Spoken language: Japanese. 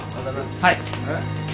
はい！